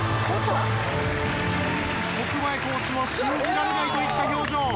石前コーチも信じられないといった表情。